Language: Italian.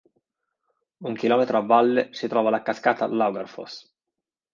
Un chilometro a valle si trova la cascata Laugarfoss.